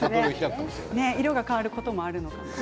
色が変わることもあるのかな？